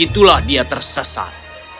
dan dia tersesat